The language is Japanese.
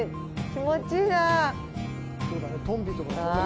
気持ちいいなあ。